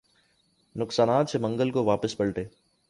نقصانات سے منگل کو واپس پلٹے